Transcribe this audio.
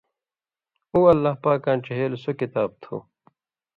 اُو اللہ پاکاں ڇِہیلوۡ سو کتاب تُھُو